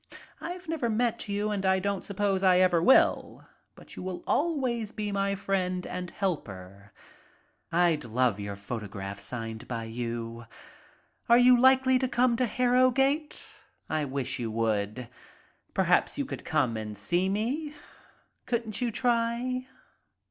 I've. never met you and I don't sup pose I ever will, but you will always be my friend and helper. I'd love your photograph signed by you! Are you likely to come to Harrowgate? I wish you would. Perhaps you could come and see me. Couldn't you try?"